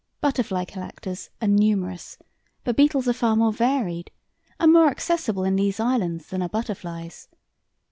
Butterfly collectors are numerous, but beetles are far more varied, and more accessible in these islands than are butterflies.